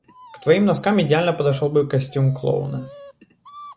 К твоим носкам идеально подошёл бы костюм клоуна.